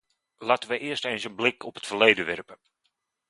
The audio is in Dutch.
Laten wij eerst eens een blik op het verleden werpen.